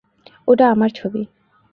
ওটা আমার ছবি।